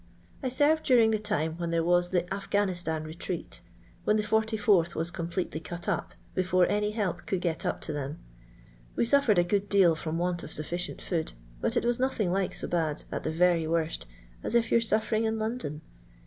" I served during the time when there was the Aifghanistan retreat; when the 44th was com pletely cut up, before any help could get up to them. We suffered a good deal from want of sufficient food ; but it was nothing like so bad, at the very wont, as if you 're suffering in London.